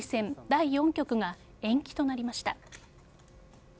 第４局が延期となりました。